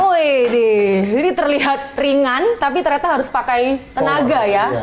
oh ini terlihat ringan tapi ternyata harus pakai tenaga ya